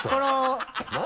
何？